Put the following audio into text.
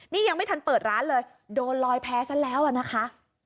นี่ยังไม่ทันเปิดร้านเลยโดนลอยแพ้ซะแล้วอะนะคะ